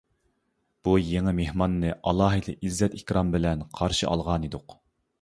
بۇ يېڭى مېھماننى ئالاھىدە ئىززەت-ئىكرام بىلەن قارشى ئالغانىدۇق.